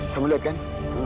kamu lihat kan